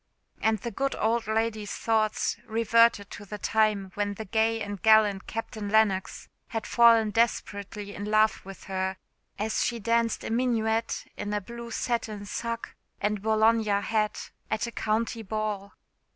And the good old lady's thoughts reverted to the time when the gay and gallant Captain Lennox had fallen desperately in love with her, as she danced a minuet in a blue satin sacque and Bologna hat at a county ball.